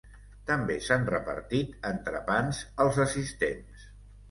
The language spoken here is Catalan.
També s’han repartit entrepans als assistents.